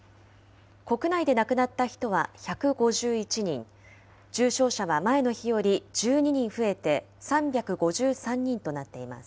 国内で亡くなった人は１５１人、重症者は前の日より１２人増えて３５３人となっています。